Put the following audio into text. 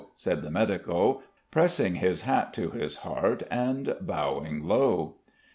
said the medico, pressing his hat to his heart and bowing low.